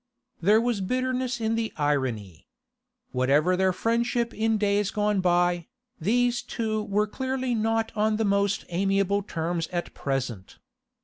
There was bitterness in the irony. Whatever their friendship in days gone by, these two were clearly not on the most amiable terms at present.